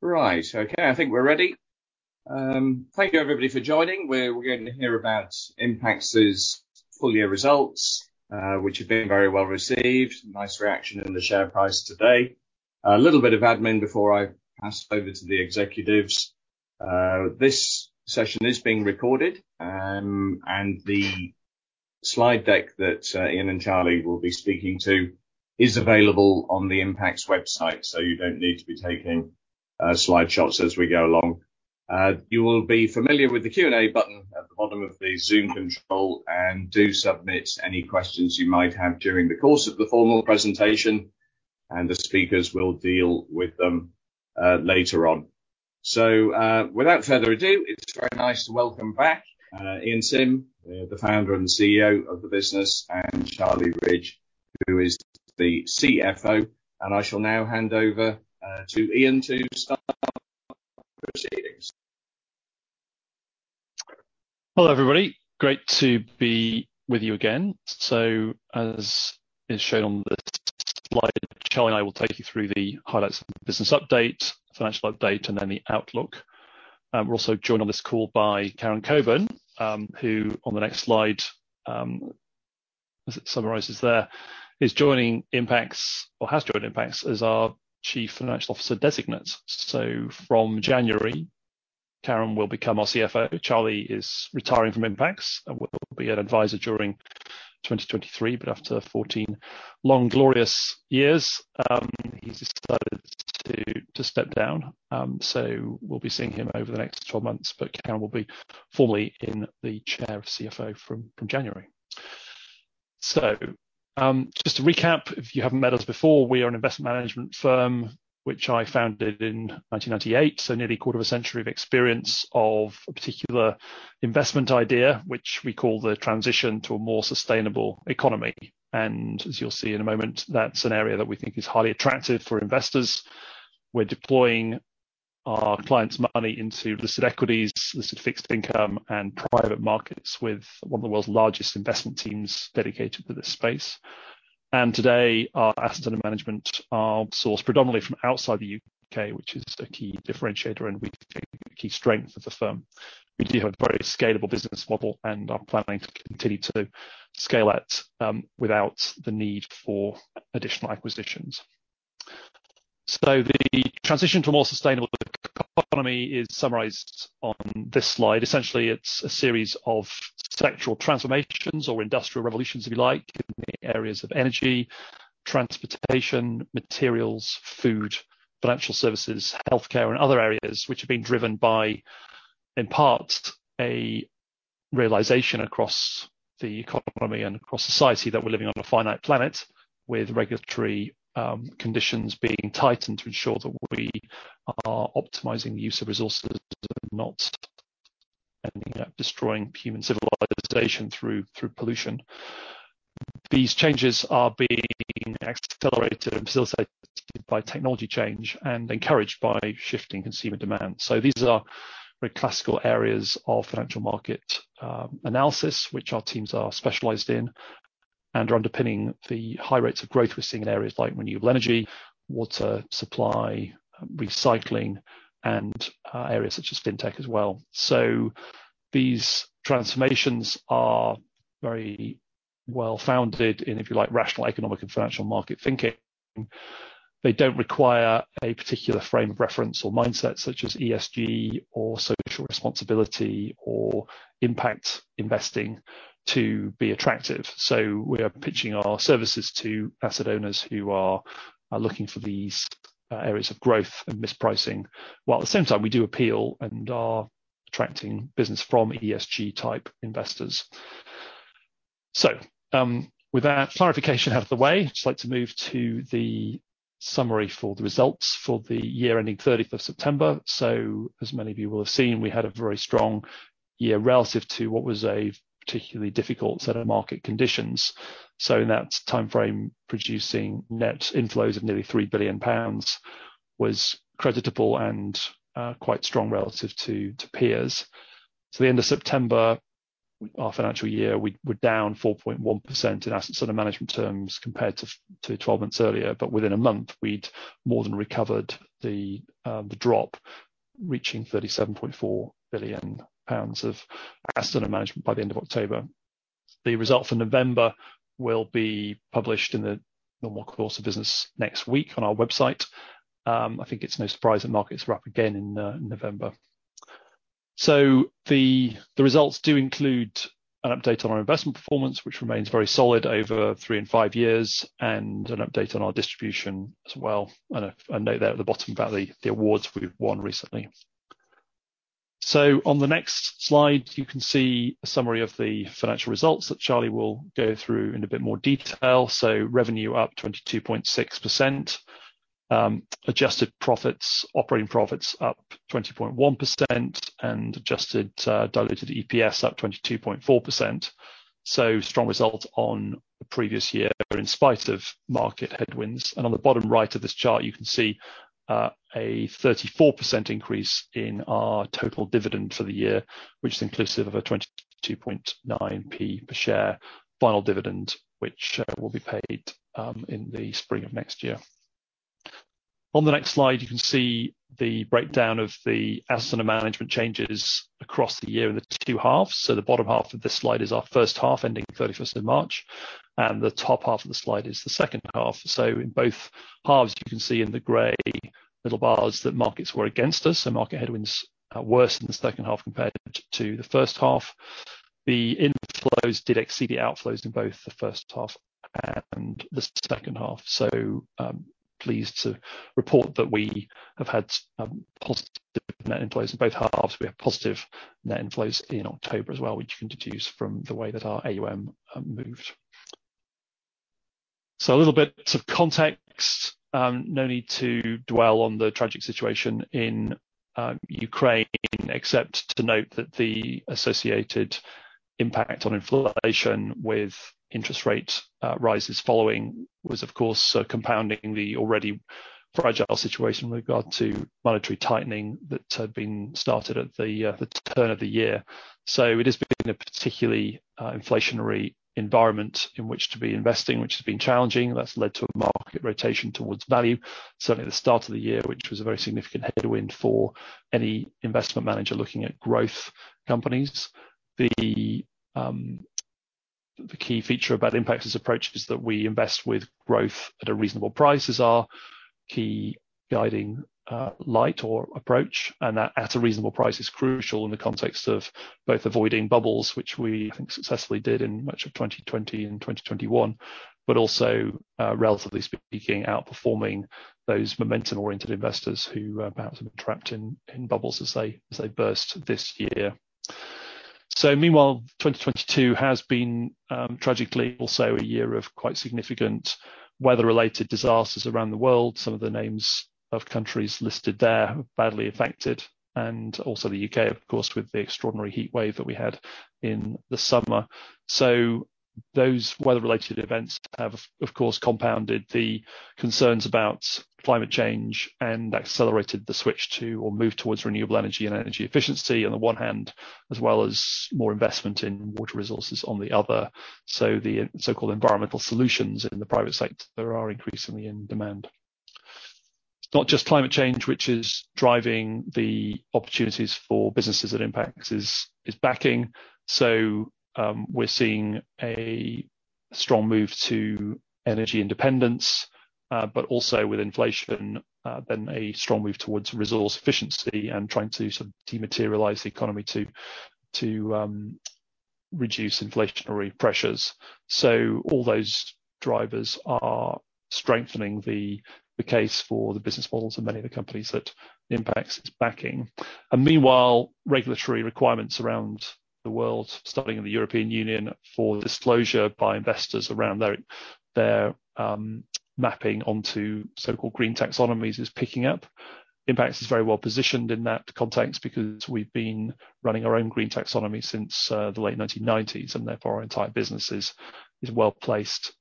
Right. Okay, I think we're ready. Thank you everybody for joining. We're going to hear about Impax's full year results, which have been very well received. Nice reaction in the share price today. A little bit of admin before I pass over to the executives. This session is being recorded, and the slide deck that Ian and Charlie will be speaking to is available on the Impax website, so you don't need to be taking screenshots as we go along. You will be familiar with the Q&A button at the bottom of the Zoom control and do submit any questions you might have during the course of the formal presentation and the speakers will deal with them later on. Without further ado, it's very nice to welcome back, Ian Simm, the Founder and Chief Executive of the business, and Charlie Ridge, who is the CFO, and I shall now hand over to Ian to start proceedings. Hello, everybody. Great to be with you again. As is shown on this slide, Charlie and I will take you through the highlights of the business update, financial update, and then the outlook. We're also joined on this call by Karen Cockburn, who on the next slide, as it summarizes there, is joining Impax, or has joined Impax, as our Chief Financial Officer Designate. From January, Karen will become our CFO. Charlie is retiring from Impax and will be an advisor during 2023, but after 14 long, glorious years, he's decided to step down. We'll be seeing him over the next 12 months, but Karen will be formally in the chair of CFO from January. Just to recap, if you haven't met us before, we are an investment management firm, which I founded in 1998, nearly a quarter of a century of experience of a particular investment idea, which we call the transition to a more sustainable economy. As you'll see in a moment, that's an area that we think is highly attractive for investors. We're deploying our clients' money into listed equities, listed fixed income, and private markets with one of the world's largest investment teams dedicated to this space. Today, our assets under management are sourced predominantly from outside the U.K., which is a key differentiator, and we think a key strength of the firm. We do have a very scalable business model and are planning to continue to scale it, without the need for additional acquisitions. The transition to a more sustainable economy is summarized on this slide. Essentially, it's a series of secular transformations or industrial revolutions, if you like, in the areas of energy, transportation, materials, food, financial services, healthcare and other areas which have been driven by, in part, a realization across the economy and across society that we're living on a finite planet with regulatory conditions being tightened to ensure that we are optimizing use of resources and not ending up destroying human civilization through pollution. These changes are being accelerated and facilitated by technology change and encouraged by shifting consumer demand. These are very classical areas of financial market analysis, which our teams are specialized in and are underpinning the high rates of growth we're seeing in areas like renewable energy, water supply, recycling, and areas such as fintech as well. These transformations are very well founded in, if you like, rational, economic and financial market thinking. They don't require a particular frame of reference or mindset, such as ESG or social responsibility or impact investing to be attractive. We are pitching our services to asset owners who are looking for these areas of growth and mispricing, while at the same time we do appeal and are attracting business from ESG type investors. With that clarification out of the way, I'd just like to move to the summary for the results for the year ending 30th of September. As many of you will have seen, we had a very strong year relative to what was a particularly difficult set of market conditions. In that timeframe, producing net inflows of nearly £3 billion was creditable and quite strong relative to peers. The end of September, our financial year, we were down 4.1% in AUM terms compared to 12 months earlier, but within a month, we'd more than recovered the drop, reaching 37.4 billion pounds of AUM by the end of October. The result for November will be published in the normal course of business next week on our website. I think it's no surprise that markets were up again in November. The results do include an update on our investment performance, which remains very solid over three and five years, and an update on our distribution as well. And a note there at the bottom about the awards we've won recently. On the next slide, you can see a summary of the financial results that Charlie will go through in a bit more detail. Revenue up 22.6%. Adjusted profits, operating profits up 20.1%, and adjusted diluted EPS up 22.4%. Strong results on the previous year in spite of market headwinds. On the bottom right of this chart, you can see a 34% increase in our total dividend for the year, which is inclusive of a 0.229 per share final dividend, which will be paid in the spring of next year. On the next slide, you can see the breakdown of the assets under management changes across the year in the two halves. The bottom half of this slide is our first half, ending 31st of March, and the top half of the slide is the second half. In both halves, you can see in the gray middle bars that markets were against us. Market headwinds are worse in the second half compared to the first half. The inflows did exceed the outflows in both the first half and the second half. Pleased to report that we have had positive net inflows in both halves. We have positive net inflows in October as well, which you can deduce from the way that our AUM moved. A little bit of context. No need to dwell on the tragic situation in Ukraine, except to note that the associated impact on inflation with interest rate rises following was, of course, compounding the already fragile situation with regard to monetary tightening that had been started at the turn of the year. It has been a particularly inflationary environment in which to be investing, which has been challenging. That's led to a market rotation towards value. Certainly the start of the year, which was a very significant headwind for any investment manager looking at growth companies. The key feature about Impax's approach is that we invest with growth at a reasonable price is our key guiding light or approach. That at a reasonable price is crucial in the context of both avoiding bubbles, which we, I think successfully did in much of 2020 and 2021, but also, relatively speaking, outperforming those momentum-oriented investors who perhaps have been trapped in bubbles as they burst this year. Meanwhile, 2022 has been tragically also a year of quite significant weather-related disasters around the world. Some of the names of countries listed there badly affected, and also the UK, of course, with the extraordinary heatwave that we had in the summer. Those weather-related events have, of course, compounded the concerns about climate change and accelerated the switch to or move towards renewable energy and energy efficiency on the one hand, as well as more investment in water resources on the other. The so-called environmental solutions in the private sector are increasingly in demand. It's not just climate change which is driving the opportunities for businesses that Impax is backing. We're seeing a strong move to energy independence, but also with inflation, then a strong move towards resource efficiency and trying to sort of dematerialize the economy to reduce inflationary pressures. All those drivers are strengthening the case for the business models of many of the companies that Impax is backing. Meanwhile, regulatory requirements around the world, starting in the European Union, for disclosure by investors around their mapping onto so-called green taxonomies is picking up. Impax is very well positioned in that context because we've been running our own green taxonomy since the late 1990s, and therefore our entire businesses is well-placed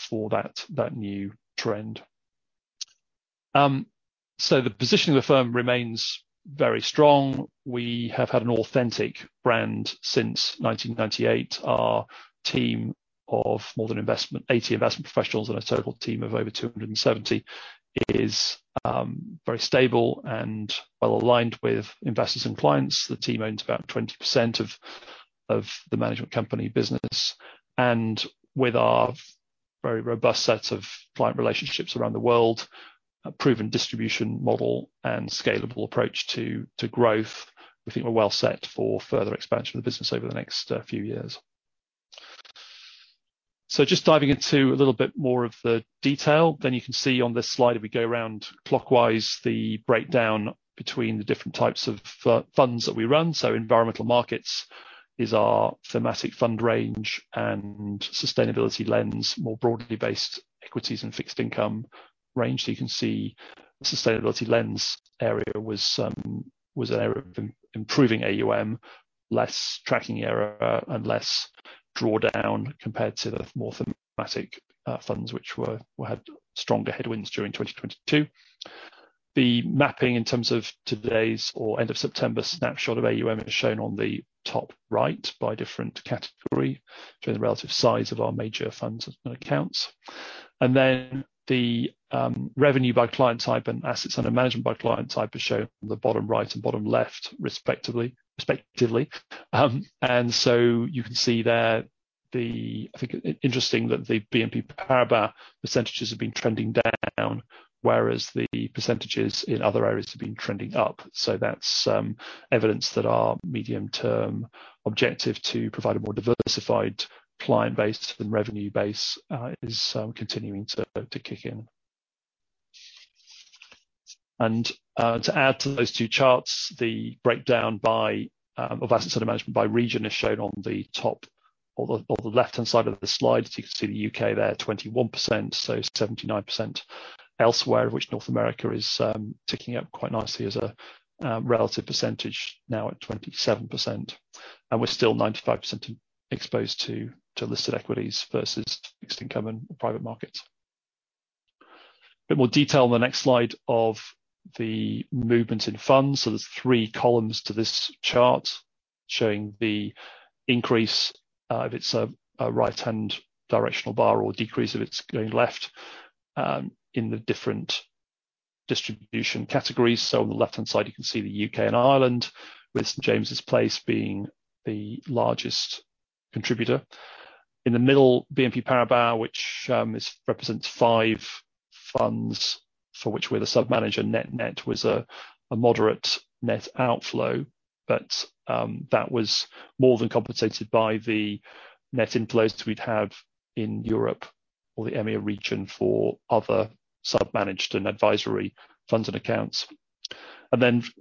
for that new trend. The positioning of the firm remains very strong. We have had an authentic brand since 1998. Our team of more than 80 investment professionals in a total team of over 270 is very stable and well aligned with investors and clients. The team owns about 20% of the management company business. With our very robust set of client relationships around the world, a proven distribution model and scalable approach to growth, we think we're well set for further expansion of the business over the next few years. Just diving into a little bit more of the detail. You can see on this slide, if we go around clockwise, the breakdown between the different types of funds that we run. Environmental Markets is our thematic fund range and Sustainability Lens, more broadly based equities and fixed income range. You can see the Sustainability Lens area was an area of improving AUM, less tracking error and less drawdown compared to the more thematic funds which were had stronger headwinds during 2022. The mapping in terms of today's or end of September snapshot of AUM is shown on the top right by different category, showing the relative size of our major funds and accounts. The revenue by client type and assets under management by client type is shown on the bottom right and bottom left, respectively. You can see there I think it interesting that the BNP Paribas percentages have been trending down, whereas the percentages in other areas have been trending up. That's evidence that our medium-term objective to provide a more diversified client base and revenue base is continuing to kick in. To add to those two charts, the breakdown of assets under management by region is shown on the top or the left-hand side of the slide. As you can see the U.K. there, 21%, 79% elsewhere, of which North America is ticking up quite nicely as a relative percentage now at 27%. We're still 95% exposed to listed equities versus fixed income and private markets. A bit more detail on the next slide of the movement in funds. There's three columns to this chart showing the increase if it's a right-hand directional bar or decrease if it's going left in the different distribution categories. On the left-hand side, you can see the UK and Ireland with St. James's Place being the largest contributor. In the middle, BNP Paribas, which represents five funds for which we're the sub-manager. Net net was a moderate net outflow, that was more than compensated by the net inflows we'd have in Europe or the EMEA region for other sub-managed and advisory funds and accounts.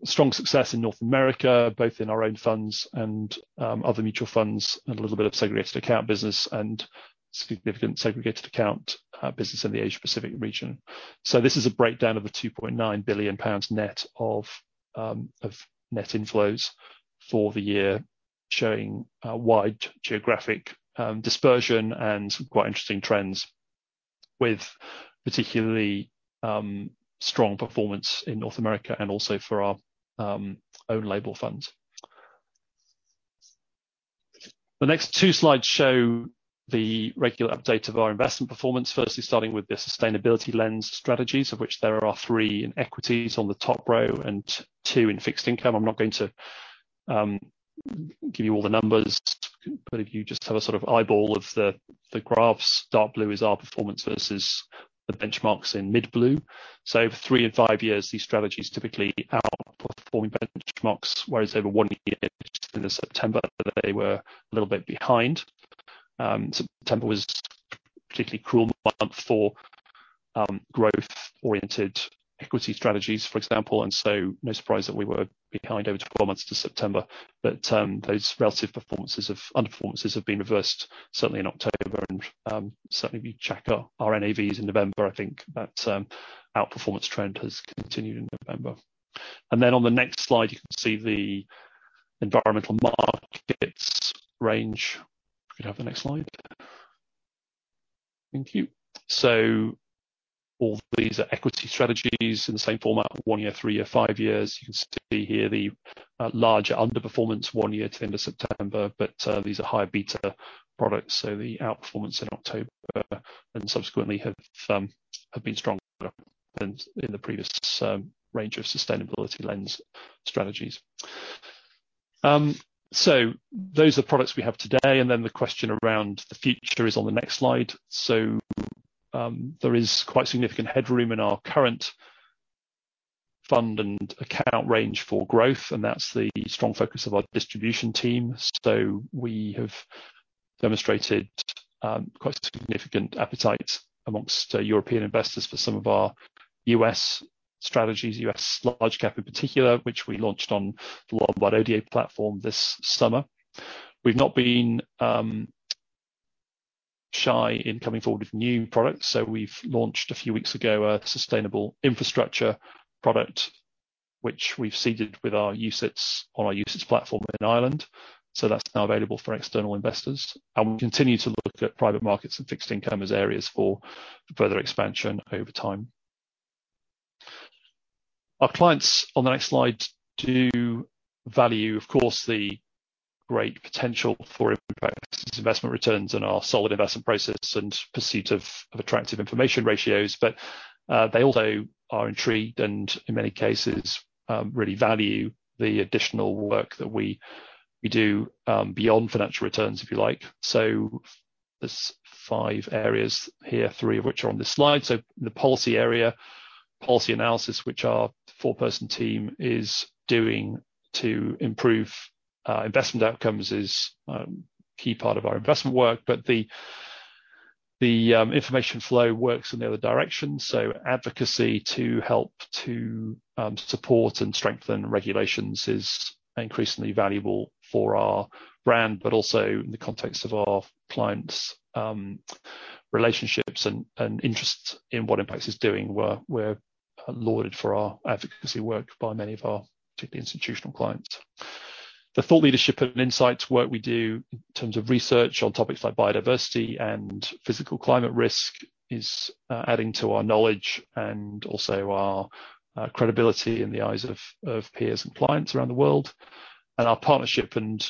Strong success in North America, both in our own funds and other mutual funds and a little bit of segregated account business and significant segregated account business in the Asia-Pacific region. This is a breakdown of the 2.9 billion pounds net of net inflows for the year, showing wide geographic dispersion and quite interesting trends with particularly strong performance in North America and also for our own label funds. The next two slides show the regular update of our investment performance. Firstly, starting with the Sustainability Lens strategies, of which there are three in equities on the top row and two in fixed income. I'm not going to give you all the numbers, but if you just have a sort of eyeball of the graphs, dark blue is our performance versus the benchmarks in mid blue. For three and five years, these strategies typically outperforming benchmarks, whereas over one year end of September, they were a little bit behind. September was particularly cruel month for growth-oriented equity strategies, for example. No surprise that we were behind over two, four months to September. Those relative underperformances have been reversed certainly in October and certainly we check our NAVs in November. I think that outperformance trend has continued in November. On the next slide, you can see the Environmental Markets range. Could I have the next slide? Thank you. All these are equity strategies in the same format, one year, three year, five years. You can see here the larger underperformance, one year to end of September. These are high beta products, so the outperformance in October and subsequently have been stronger than in the previous range of Sustainability Lens strategies. Those are products we have today, and then the question around the future is on the next slide. There is quite significant headroom in our current fund and account range for growth, and that's the strong focus of our distribution team. We have demonstrated quite a significant appetite amongst European investors for some of our US strategies, US Large Cap in particular, which we launched on the Global ODA platform this summer. We've not been shy in coming forward with new products. We've launched a few weeks ago a Sustainable Infrastructure product which we've seeded with our UCITS, on our UCITS platform in Ireland. That's now available for external investors. We continue to look at private markets and fixed income as areas for further expansion over time. Our clients on the next slide do value, of course, the great potential for Impax investment returns and our solid investment process and pursuit of attractive information ratios. They also are intrigued and in many cases, really value the additional work that we do, beyond financial returns, if you like. There's five areas here, three of which are on this slide. The policy area, policy analysis, which our four-person team is doing to improve investment outcomes is key part of our investment work. The information flow works in the other direction. Advocacy to help to support and strengthen regulations is increasingly valuable for our brand, but also in the context of our clients', relationships and interest in what Impax is doing. We're lauded for our advocacy work by many of our particularly institutional clients. The thought leadership and insights work we do in terms of research on topics like biodiversity and physical climate risk is adding to our knowledge and also our credibility in the eyes of peers and clients around the world. Our partnership and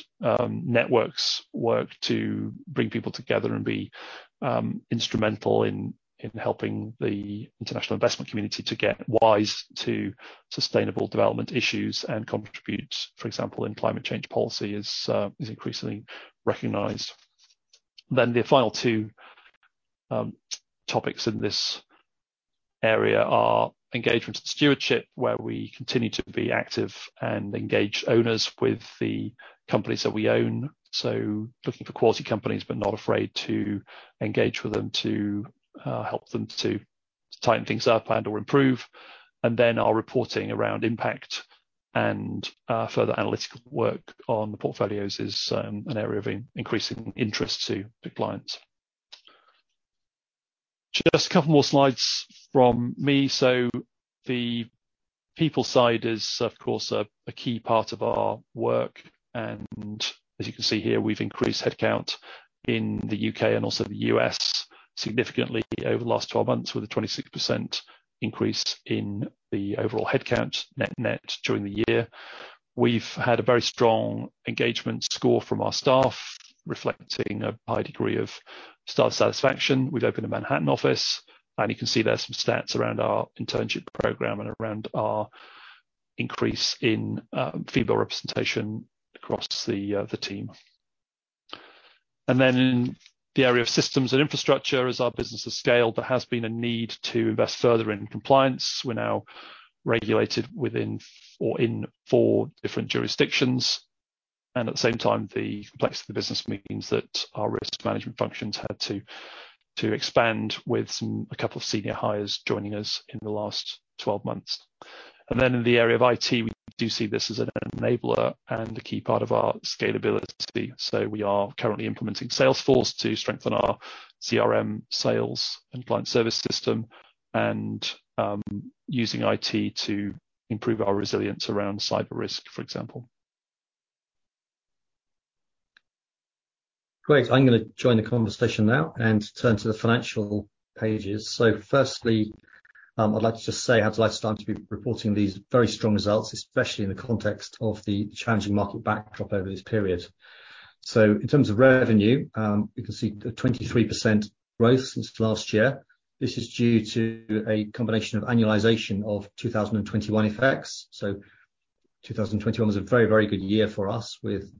networks work to bring people together and be instrumental in helping the international investment community to get wise to sustainable development issues and contribute, for example, in climate change policy is increasingly recognized. The final two topics in this area are engagement and stewardship, where we continue to be active and engage owners with the companies that we own. Looking for quality companies, but not afraid to engage with them to help them to tighten things up and or improve. Our reporting around impact and further analytical work on the portfolios is an area of increasing interest to big clients. Just a couple more slides from me. The people side is, of course, a key part of our work. As you can see here, we've increased headcount in the U.K. and also the U.S. significantly over the last 12 months, with a 26% increase in the overall headcount net-net during the year. We've had a very strong engagement score from our staff, reflecting a high degree of staff satisfaction. We've opened a Manhattan office, and you can see there's some stats around our internship program and around our increase in female representation across the team. In the area of systems and infrastructure, as our business has scaled, there has been a need to invest further in compliance. We're now regulated within or in four different jurisdictions. At the same time, the complexity of the business means that our risk management functions had to expand with a couple of senior hires joining us in the last 12 months. In the area of IT, we do see this as an enabler and a key part of our scalability. We are currently implementing Salesforce to strengthen our CRM sales and client service system and using IT to improve our resilience around cyber risk, for example. Great. I'm going to join the conversation now turn to the financial pages. Firstly, I'd like to just say how delighted I am to be reporting these very strong results, especially in the context of the challenging market backdrop over this period. In terms of revenue, you can see the 23% growth since last year. This is due to a combination of annualization of 2021 effects. 2021 was a very good year for us with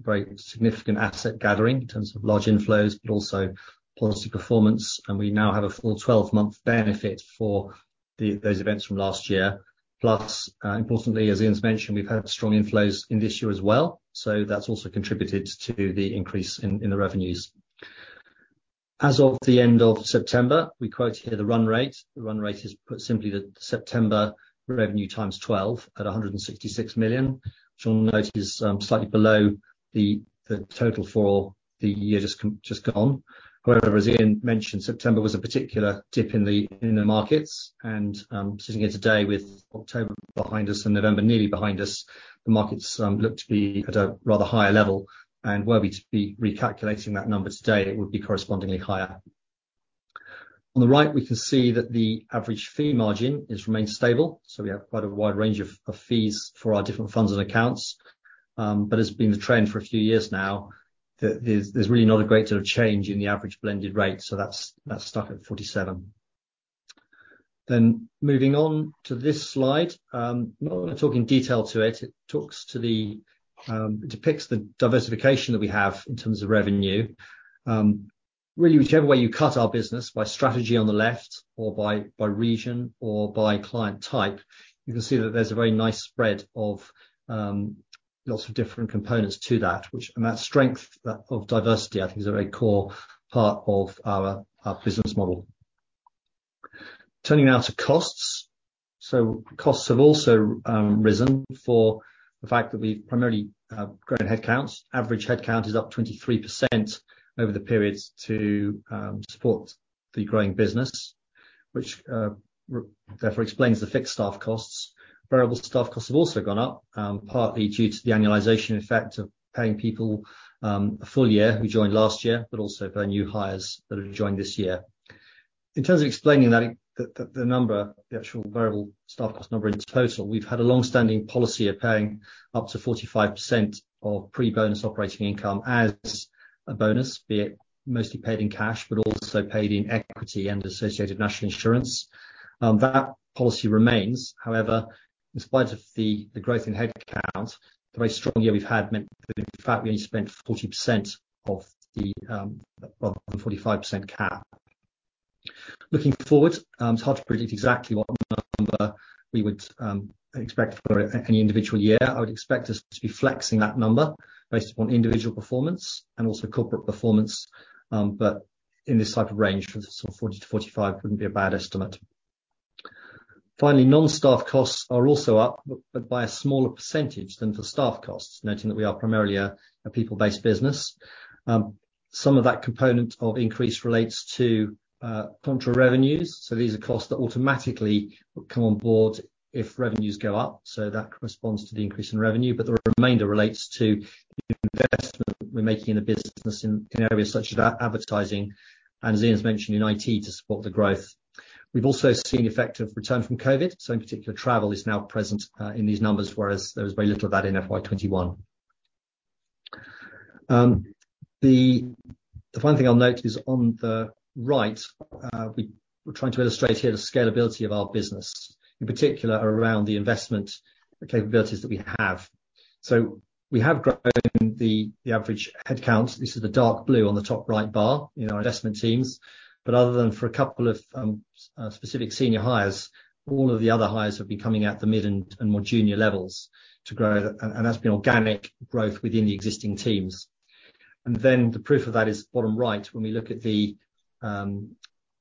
very significant asset gathering in terms of large inflows, but also policy performance, and we now have a full 12-month benefit for those events from last year. Plus, importantly, as Ian's mentioned, we've had strong inflows in this year as well, that's also contributed to the increase in the revenues. As of the end of September, we quote here the run rate. The run rate is put simply the September revenue times 12 at 166 million, which you'll note is slightly below the total for the year just gone. As Ian mentioned, September was a particular dip in the markets and, sitting here today with October behind us and November nearly behind us, the markets look to be at a rather higher level. Were we to be recalculating that number today, it would be correspondingly higher. On the right, we can see that the average fee margin has remained stable, so we have quite a wide range of fees for our different funds and accounts. It's been the trend for a few years now that there's really not a great deal of change in the average blended rate, that's stuck at 47. Moving on to this slide. Not going to talk in detail to it. It talks to the. It depicts the diversification that we have in terms of revenue. Really whichever way you cut our business, by strategy on the left or by region or by client type, you can see that there's a very nice spread of lots of different components to that which and that strength of diversity, I think is a very core part of our business model. Turning now to costs. Costs have also risen for the fact that we've primarily grown headcounts. Average headcount is up 23% over the period to support the growing business, which therefore explains the fixed staff costs. Variable staff costs have also gone up partly due to the annualization effect of paying people a full year who joined last year, but also paying new hires that have joined this year. In terms of explaining that, the, the number, the actual variable staff cost number in total, we've had a long-standing policy of paying up to 45% of pre-bonus operating income as a bonus, be it mostly paid in cash but also paid in equity and associated national insurance. That policy remains. However, in spite of the growth in headcount, the very strong year we've had meant that in fact we only spent 40% of the, well, 45% cap. Looking forward, it's hard to predict exactly what number we would expect for any individual year. I would expect us to be flexing that number based upon individual performance and also corporate performance. In this type of range, sort of 40-45 wouldn't be a bad estimate. Finally, non-staff costs are also up but by a smaller percentage than for staff costs, noting that we are primarily a people-based business. Some of that component of increase relates to contra revenues. These are costs that automatically would come on board if revenues go up, so that corresponds to the increase in revenue. The remainder relates to the investment we're making in the business in areas such as advertising and, as Ian's mentioned, in IT to support the growth. We've also seen the effect of return from COVID. In particular, travel is now present in these numbers, whereas there was very little of that in FY 2021. The final thing I'll note is on the right, we're trying to illustrate here the scalability of our business, in particular around the investment capabilities that we have. We have grown the average headcount. This is the dark blue on the top right bar in our investment teams. Other than for a couple of specific senior hires, all of the other hires have been coming at the mid and more junior levels to grow. And that's been organic growth within the existing teams. The proof of that is bottom right. When we look at the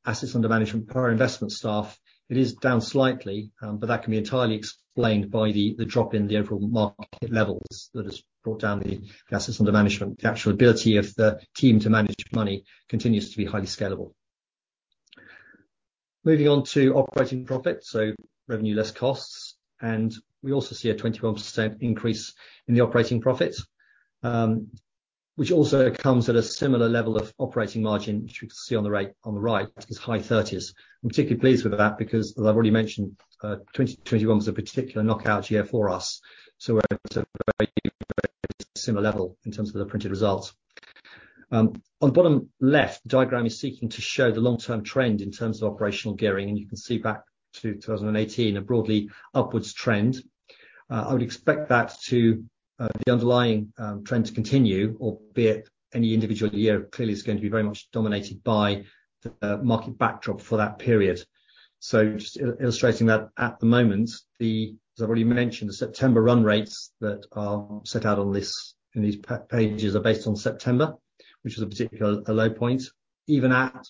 assets under management per investment staff, it is down slightly, that can be entirely explained by the drop in the overall market levels that has brought down the assets under management. The actual ability of the team to manage money continues to be highly scalable. Moving on to operating profit, so revenue less costs, we also see a 21% increase in the operating profit, which also comes at a similar level of operating margin, which we see on the right as high 30s. I'm particularly pleased with that because as I've already mentioned, 2021 was a particular knockout year for us. We're at a similar level in terms of the printed results. On the bottom left diagram is seeking to show the long-term trend in terms of operational gearing. You can see back to 2018 a broadly upwards trend. I would expect that to the underlying trend to continue, albeit any individual year clearly is going to be very much dominated by the market backdrop for that period. Just illustrating that at the moment, the As I've already mentioned, the September run rates that are set out on this, in these pages are based on September, which is a particular, a low point. Even at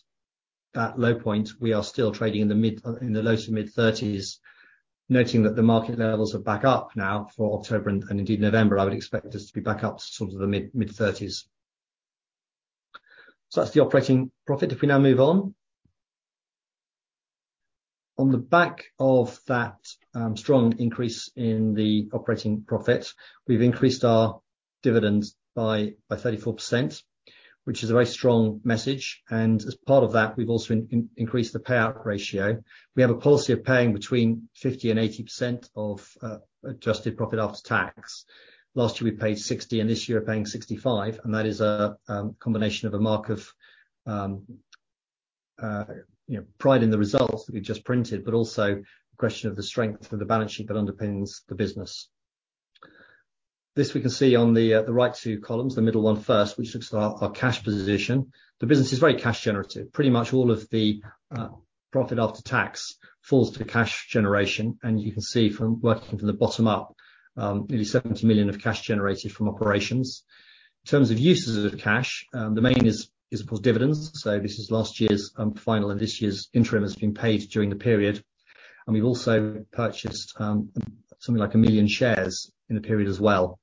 that low point, we are still trading in the mid, in the low to mid-30s, noting that the market levels are back up now for October and indeed November. I would expect us to be back up to sort of the mid-30s. That's the operating profit. If we now move on. On the back of that, strong increase in the operating profit, we've increased our dividends by 34%, which is a very strong message, and as part of that we've also increased the payout ratio. We have a policy of paying between 50% and 80% of adjusted profit after tax. Last year we paid 60%, and this year we're paying 65%, and that is a combination of a mark of, you know, pride in the results that we've just printed, but also a question of the strength of the balance sheet that underpins the business. This we can see on the right two columns, the middle one first, which looks at our cash position. The business is very cash generative. Pretty much all of the profit after tax falls to cash generation. You can see from working from the bottom up, nearly 70 million of cash generated from operations. In terms of uses of cash, the main is of course dividends. This is last year's final and this year's interim has been paid during the period. We've also purchased something like 1 million shares in the period as well.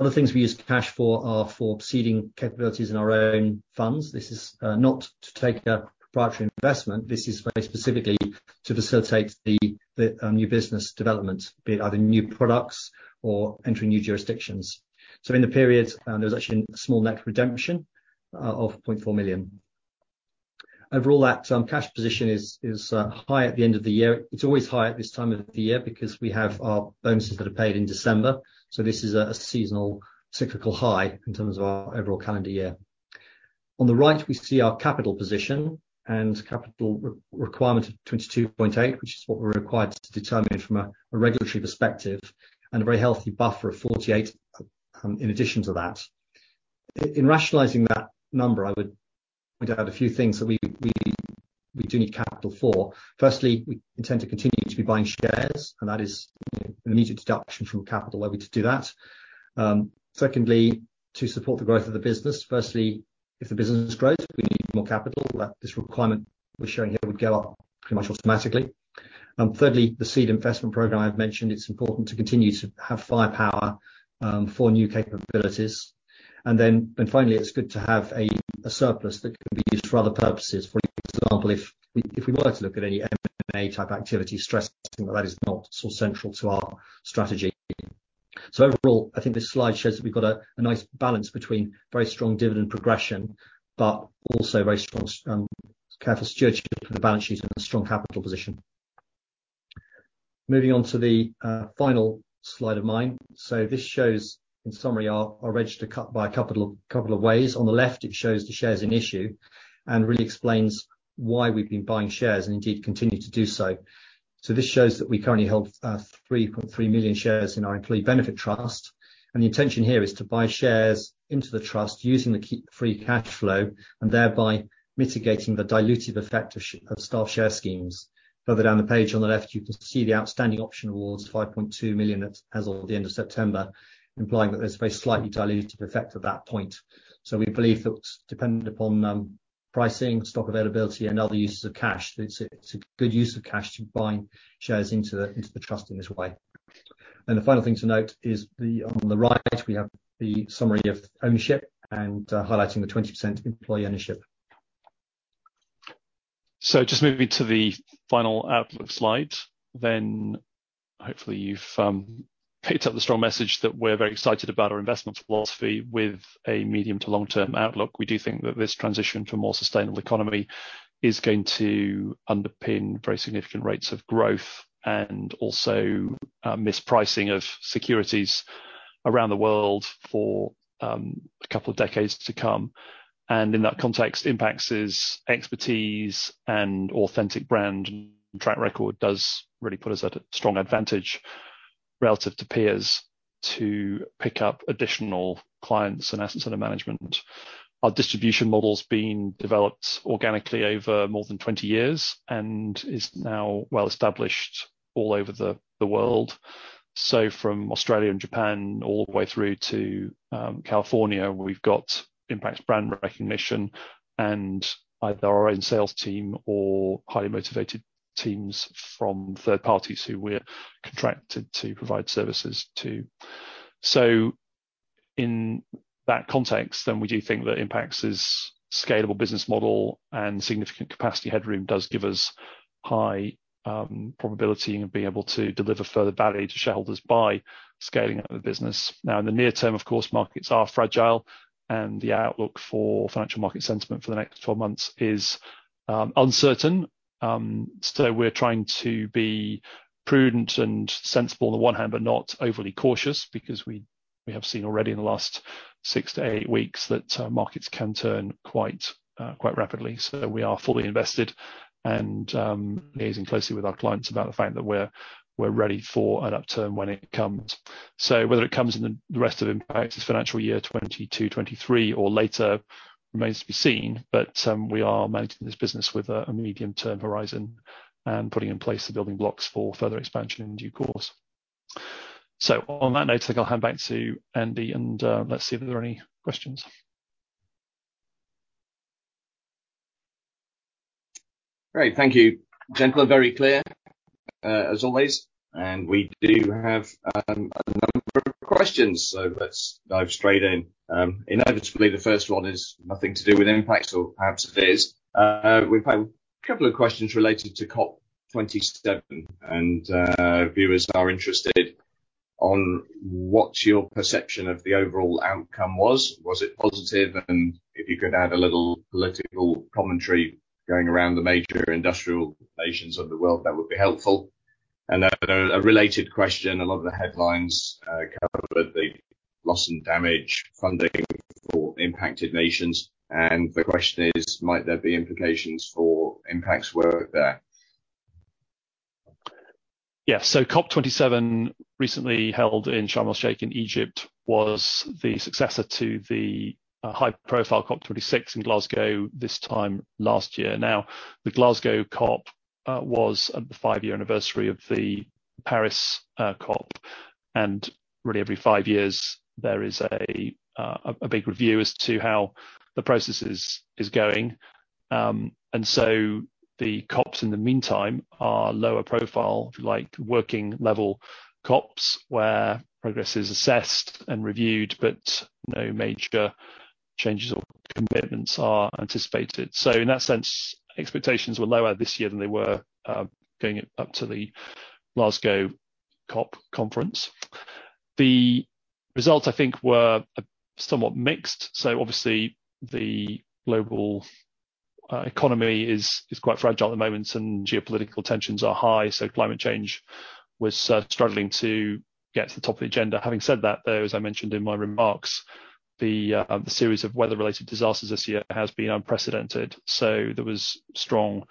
Other things we use cash for are for seeding capabilities in our own funds. This is not to take a proprietary investment. This is very specifically to facilitate the new business development, be it either new products or entering new jurisdictions. In the period, there was actually a small net redemption of 0.4 million. Overall, that cash position is high at the end of the year. It's always high at this time of the year because we have our bonuses that are paid in December, so this is a seasonal cyclical high in terms of our overall calendar year. On the right, we see our capital position and capital re-requirement of 22.8, which is what we're required to determine from a regulatory perspective, and a very healthy buffer of 48 in addition to that. In rationalizing that number, I would point out a few things that we do need capital for. Firstly, we intend to continue to be buying shares, and that is, you know, an immediate deduction from capital are we to do that. Secondly, to support the growth of the business. Firstly, if the business grows, we need more capital. That this requirement we're showing here would go up pretty much automatically. Thirdly, the seed investment program I've mentioned, it's important to continue to have firepower for new capabilities. Then, finally, it's good to have a surplus that can be used for other purposes. For example, if we were to look at any M&A type activity, stressing that is not sort of central to our strategy. Overall, I think this slide shows that we've got a nice balance between very strong dividend progression, but also very strong, careful stewardship of the balance sheet and a strong capital position. Moving on to the final slide of mine. This shows, in summary, our register by a couple of ways. On the left, it shows the shares in issue and really explains why we've been buying shares and indeed continue to do so. This shows that we currently hold 3.3 million shares in our employee benefit trust, and the intention here is to buy shares into the trust using the free cash flow and thereby mitigating the dilutive effect of staff share schemes. Further down the page on the left, you can see the outstanding option awards, 5.2 million as of the end of September, implying that there's a very slightly dilutive effect at that point. We believe that dependent upon pricing, stock availability and other uses of cash, it's a good use of cash to buying shares into the trust in this way. The final thing to note is the, on the right we have the summary of ownership and, highlighting the 20% employee ownership. Just moving to the final outlook slide, hopefully you've picked up the strong message that we're very excited about our investment philosophy with a medium to long-term outlook. We do think that this transition to a more sustainable economy is going to underpin very significant rates of growth and also mispricing of securities around the world for a couple of decades to come. In that context, Impax's expertise and authentic brand and track record does really put us at a strong advantage relative to peers to pick up additional clients and assets under management. Our distribution model's been developed organically over more than 20 years and is now well established all over the world. From Australia and Japan all the way through to California, we've got Impax brand recognition and either our own sales team or highly motivated teams from third parties who we're contracted to provide services to. In that context, we do think that Impax's scalable business model and significant capacity headroom does give us high probability in being able to deliver further value to shareholders by scaling up the business. In the near term, of course, markets are fragile and the outlook for financial market sentiment for the next 12 months is uncertain. We're trying to be prudent and sensible on the one hand, but not overly cautious because we have seen already in the last six to eight weeks that markets can turn quite rapidly. We are fully invested and liaising closely with our clients about the fact that we're ready for an upturn when it comes. Whether it comes in the rest of Impax's financial year, 2022, 2023 or later remains to be seen, but we are managing this business with a medium-term horizon and putting in place the building blocks for further expansion in due course. On that note, I think I'll hand back to Andy and let's see if there are any questions. Great. Thank you, gentlemen. Very clear, as always. We do have a number of questions, so let's dive straight in. Inevitably, the first one is nothing to do with Impax or perhaps it is. We've had a couple of questions related to COP27, and viewers are interested on what your perception of the overall outcome was. Was it positive? If you could add a little political commentary going around the major industrial nations of the world, that would be helpful. A related question, a lot of the headlines covered the loss and damage funding for impacted nations. The question is, might there be implications for Impax's work there? Yeah. COP27, recently held in Sharm El-Sheikh in Egypt, was the successor to the high-profile COP26 in Glasgow this time last year. The Glasgow COP was the five-year anniversary of the Paris COP. Really every five years there is a big review as to how the process is going. The COPs in the meantime are lower profile, if you like, working level COPs, where progress is assessed and reviewed, but no major changes or commitments are anticipated. In that sense, expectations were lower this year than they were going up to the Glasgow COP conference. The results, I think, were somewhat mixed. Obviously the global economy is quite fragile at the moment and geopolitical tensions are high, so climate change was struggling to get to the top of the agenda. Having said that though, as I mentioned in my remarks, the series of weather-related disasters this year has been unprecedented. There was strong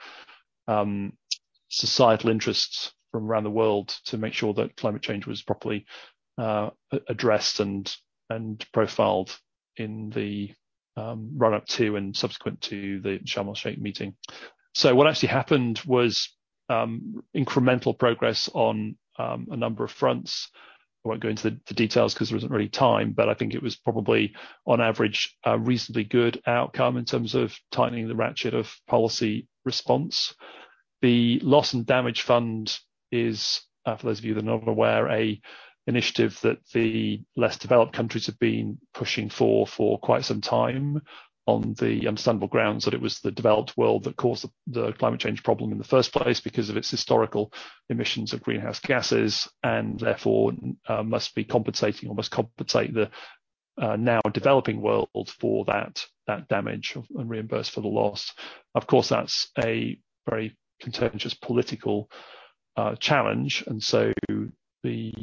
societal interest from around the world to make sure that climate change was properly addressed and profiled in the run-up to and subsequent to the Sharm El-Sheikh meeting. What actually happened was incremental progress on a number of fronts. I won't go into the details because there isn't really time, but I think it was probably on average a reasonably good outcome in terms of tightening the ratchet of policy response. The loss and damage fund is, for those of you that are not aware, a initiative that the less developed countries have been pushing for for quite some time on the understandable grounds that it was the developed world that caused the climate change problem in the first place because of its historical emissions of greenhouse gases, and therefore, must be compensating or must compensate the now developing world for that damage and reimburse for the loss. Of course, that's a very contentious political challenge. The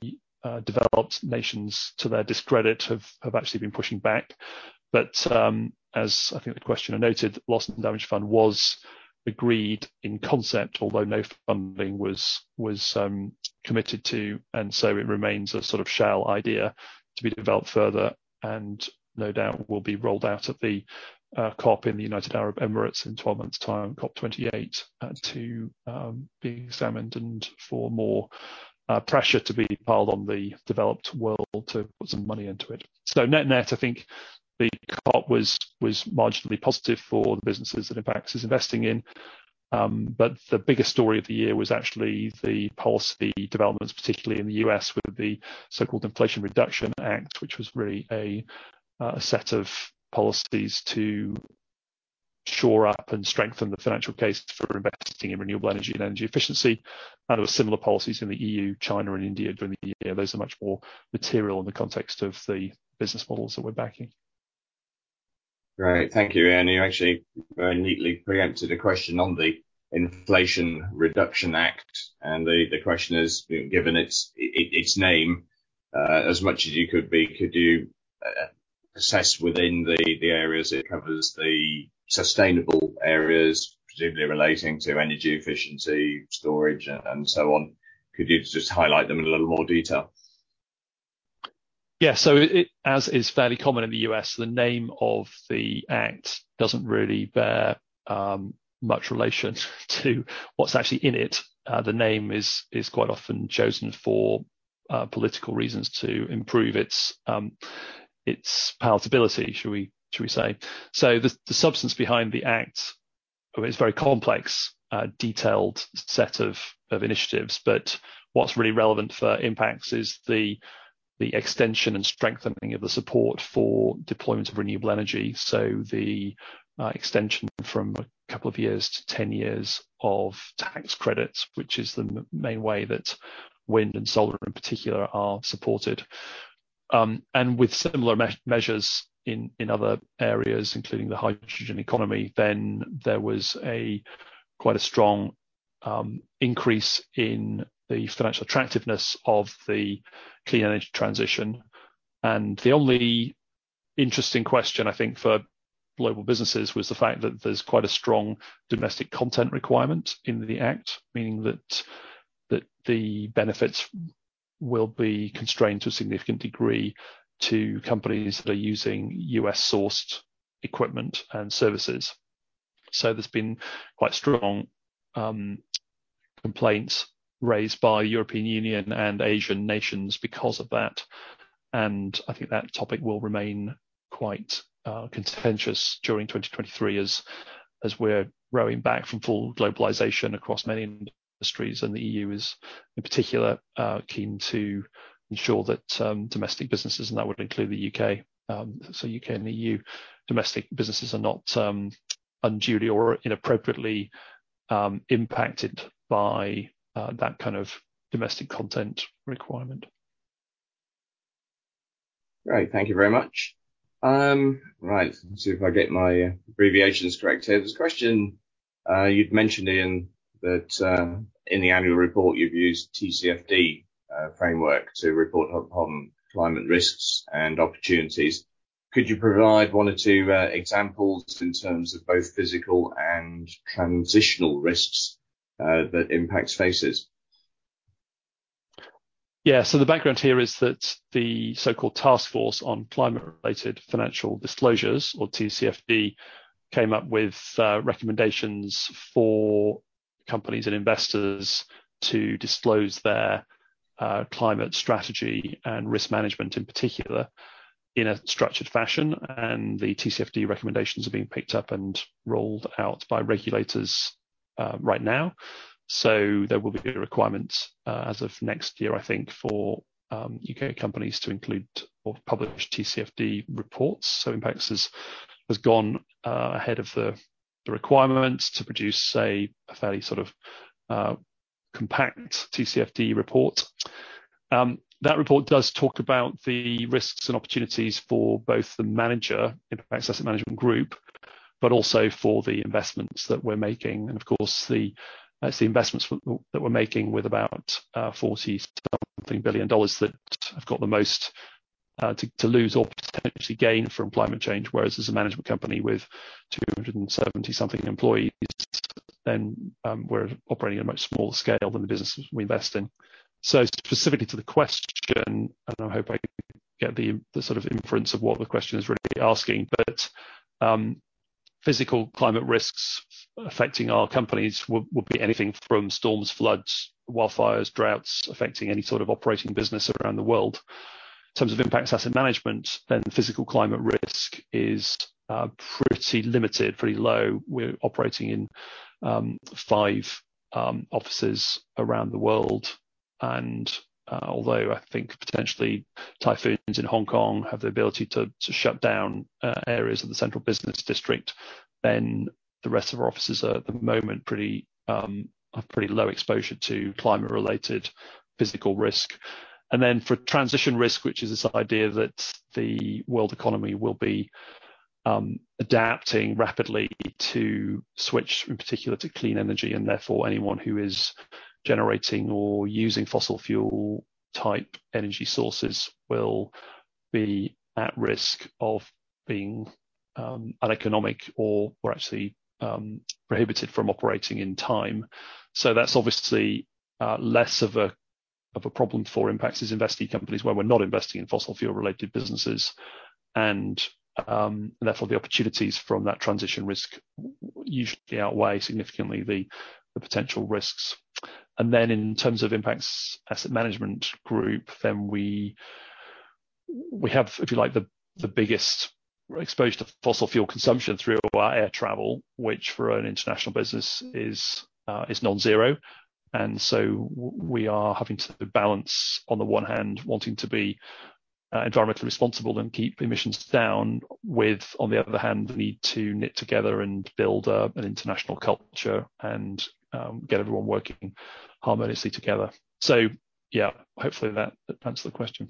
developed nations, to their discredit, have actually been pushing back. As I think the questioner noted, loss and damage fund was agreed in concept, although no funding was committed to, and so it remains a sort of shell idea to be developed further and no doubt will be rolled out at the COP in the United Arab Emirates in 12 months' time, COP28 to be examined and for more pressure to be piled on the developed world to put some money into it. Net-net, I think the COP was marginally positive for the businesses that Impax is investing in. The biggest story of the year was actually the policy developments, particularly in the U.S., with the so-called Inflation Reduction Act, which was really a set of policies to shore up and strengthen the financial case for investing in renewable energy and energy efficiency, and there were similar policies in the EU, China and India during the year. Those are much more material in the context of the business models that we're backing. Great. Thank you, Ian. You actually very neatly preempted a question on the Inflation Reduction Act. The, the question is, given its name, as much as you could be, could you assess within the areas it covers, the sustainable areas, particularly relating to energy efficiency, storage and so on, could you just highlight them in a little more detail? Yeah. as is fairly common in the U.S., the name of the act doesn't really bear much relation to what's actually in it. The name is quite often chosen for political reasons to improve its palatability, should we say. The substance behind the act. It's a very complex, detailed set of initiatives, but what's really relevant for Impax is the extension and strengthening of the support for deployment of renewable energy. The extension from a couple of years to 10 years of tax credits, which is the main way that wind and solar in particular are supported. And with similar measures in other areas, including the hydrogen economy, there was quite a strong increase in the financial attractiveness of the clean energy transition. The only interesting question, I think, for global businesses was the fact that there's quite a strong domestic content requirement in the Act, meaning that the benefits will be constrained to a significant degree to companies that are using U.S.-sourced equipment and services. There's been quite strong complaints raised by European Union and Asian nations because of that. I think that topic will remain quite contentious during 2023 as we're rowing back from full globalization across many industries. The EU is in particular keen to ensure that domestic businesses, and that would include the U.K., so U.K. and the EU domestic businesses are not unduly or inappropriately impacted by that kind of domestic content requirement. Great. Thank you very much. Right. See if I get my abbreviations correct here. There's a question, you'd mentioned, Ian, that in the annual report, you've used TCFD framework to report on climate risks and opportunities. Could you provide one or two examples in terms of both physical and transitional risks that Impax faces? The background here is that the so-called Task Force on Climate-related Financial Disclosures, or TCFD, came up with recommendations for companies and investors to disclose their climate strategy and risk management, in particular, in a structured fashion, and the TCFD recommendations are being picked up and rolled out by regulators right now. There will be requirements as of next year, I think, for U.K. companies to include or publish TCFD reports. Impax has gone ahead of the requirements to produce, say, a fairly sort of compact TCFD report. That report does talk about the risks and opportunities for both the manager, Impax Asset Management Group, but also for the investments that we're making. It's the investments that we're making with about $40-something billion that have got the most to lose or potentially gain from climate change. Whereas as a management company with 270-something employees, then we're operating on a much smaller scale than the businesses we invest in. Specifically to the question, and I hope I get the sort of inference of what the question is really asking. Physical climate risks affecting our companies would be anything from storms, floods, wildfires, droughts affecting any sort of operating business around the world. In terms of Impax Asset Management, then physical climate risk is pretty limited, pretty low. We're operating in five offices around the world. Although I think potentially typhoons in Hong Kong have the ability to shut down areas of the central business district, the rest of our offices are at the moment pretty low exposure to climate-related physical risk. For transition risk, which is this idea that the world economy will be adapting rapidly to switch, in particular to clean energy, and therefore anyone who is generating or using fossil fuel type energy sources will be at risk of being uneconomic or actually prohibited from operating in time. That's obviously less of a problem for Impax as investing companies where we're not investing in fossil fuel-related businesses and therefore the opportunities from that transition risk usually outweigh significantly the potential risks. In terms of Impax Asset Management Group, then we have, if you like, the biggest exposure to fossil fuel consumption through our air travel, which for an international business is non-zero. We are having to balance, on the one hand, wanting to be environmentally responsible and keep emissions down with, on the other hand, the need to knit together and build up an international culture and get everyone working harmoniously together. Yeah, hopefully that answers the question.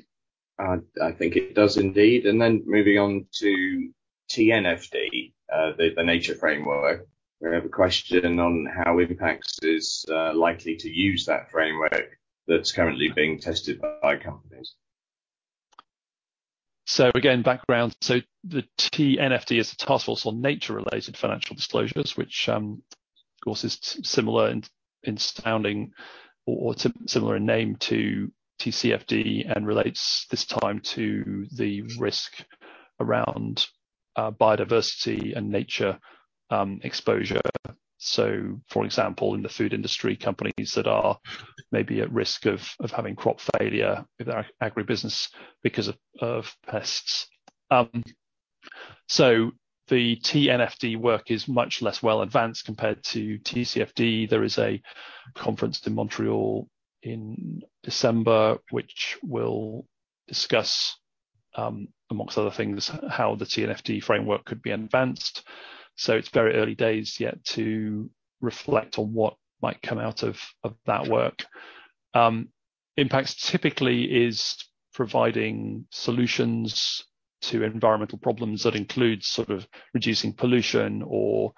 I think it does indeed. Moving on to TNFD, the nature framework. We have a question on how Impax is likely to use that framework that's currently being tested by companies. Again, background. The TNFD is the Task Force on Nature-related Financial Disclosures, which, of course, is similar in sounding or similar in name to TCFD and relates this time to the risk around biodiversity and nature exposure. For example, in the food industry, companies that are maybe at risk of having crop failure with their Agribusiness because of pests. The TNFD work is much less well advanced compared to TCFD. There is a conference in Montreal in December which will discuss amongst other things, how the TNFD framework could be advanced. It's very early days yet to reflect on what might come out of that work. Impax typically is providing solutions to environmental problems that includes sort of reducing pollution or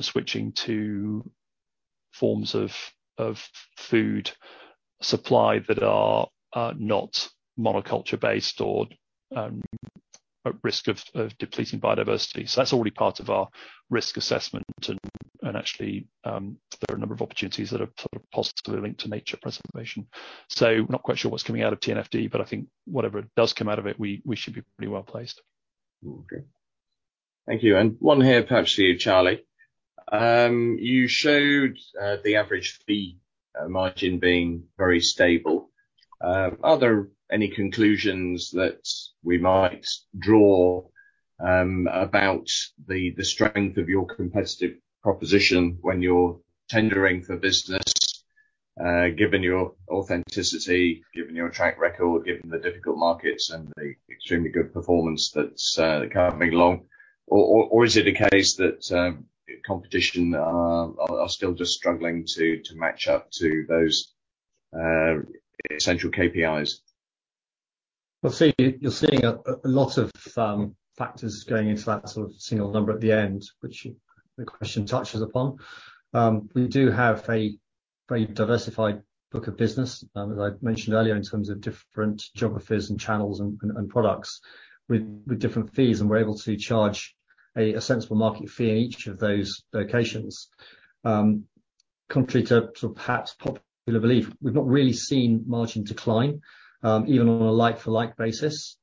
switching to forms of food supply that are not monoculture-based or at risk of depleting biodiversity. That's already part of our risk assessment and actually, there are a number of opportunities that are sort of positively linked to nature preservation. Not quite sure what's coming out of TNFD, but I think whatever does come out of it, we should be pretty well placed. Okay. Thank you. One here perhaps for you, Charlie. You showed the average fee margin being very stable. Are there any conclusions that we might draw about the strength of your competitive proposition when you're tendering for business, given your authenticity, given your track record, given the difficult markets and the extremely good performance that's accompanying along? Is it a case that competition are still just struggling to match up to those essential KPIs? You're seeing a lot of factors going into that sort of single number at the end, which the question touches upon. We do have a very diversified book of business, as I mentioned earlier, in terms of different geographies and channels and products with different fees, and we're able to charge a sensible market fee in each of those locations. Contrary to sort of perhaps popular belief, we've not really seen margin decline, even on a like for like basis,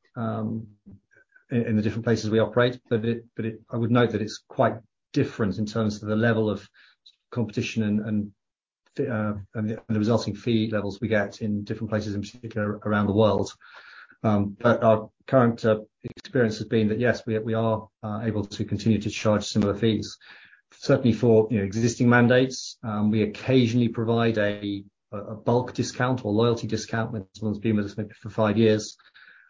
in the different places we operate. I would note that it's quite different in terms of the level of competition and fee and the resulting fee levels we get in different places, in particular around the world. Our current experience has been that, yes, we are able to continue to charge similar fees, certainly for, you know, existing mandates. We occasionally provide a bulk discount or loyalty discount when someone's been with us maybe for five years.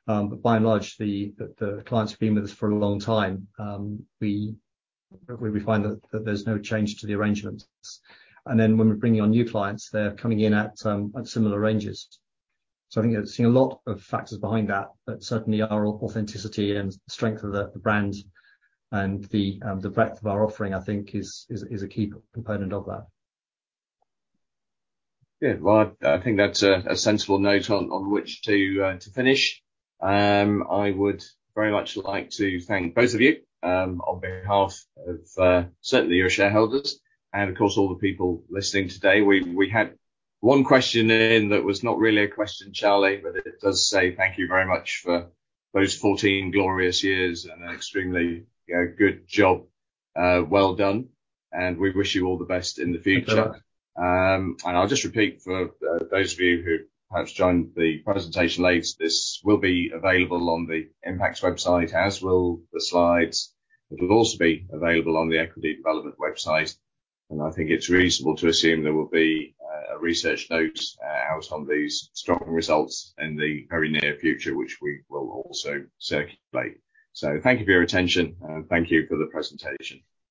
By and large the clients have been with us for a long time. We find that there's no change to the arrangements. When we're bringing on new clients, they're coming in at similar ranges. I think there's been a lot of factors behind that, but certainly our authenticity and strength of the brand and the breadth of our offering, I think is a key component of that. Yeah. Well, I think that's a sensible note on which to finish. I would very much like to thank both of you, on behalf of, certainly your shareholders and of course all the people listening today. We had one question in that was not really a question, Charlie, but it does say thank you very much for those 14 glorious years and an extremely, you know, good job. Well done, and we wish you all the best in the future. Thank you. I'll just repeat for those of you who perhaps joined the presentation late, this will be available on the Impax website, as will the slides. It will also be available on the Equity Development website, and I think it's reasonable to assume there will be a research note out on these strong results in the very near future, which we will also circulate. Thank you for your attention, and thank you for the presentation.